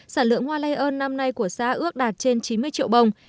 sản lượng hoa lây ơn năm nay của xã ước đạt trên chín mươi triệu bồng